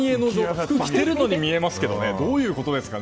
服着てるのに見えますけどどういうことでしょうか。